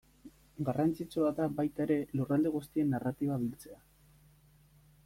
Garrantzitsua da baita ere lurralde guztien narratiba biltzea.